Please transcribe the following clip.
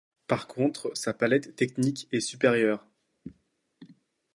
Par contre, sa palette technique est supérieure.